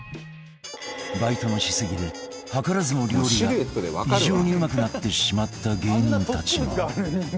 バイトのしすぎで図らずも料理が異常にうまくなってしまった芸人たちの